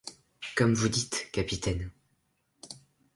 Comme vous dites, capitaine.